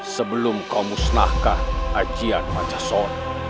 sebelum kau musnahkan ajihan pachasorn